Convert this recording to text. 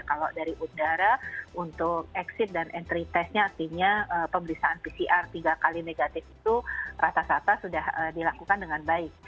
kalau dari udara untuk exit dan entry testnya artinya pemeriksaan pcr tiga kali negatif itu rata rata sudah dilakukan dengan baik